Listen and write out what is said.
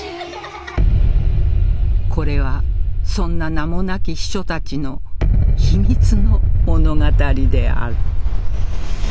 これはそんな名もなき秘書たちの秘密の物語である